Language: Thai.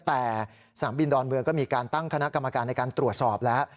แต่สนามบินดอนเมืองก็มีการตั้งคณะกรรมการในการตรวจสอบแล้ว